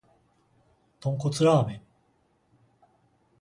豚骨ラーメン